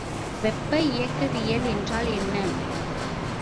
வெப்ப இயக்கவியல் என்றால் என்ன?